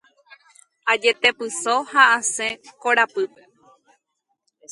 Ajetepyso ha asẽ korapýpe.